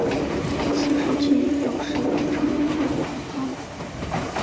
此时期有时也称旧南方。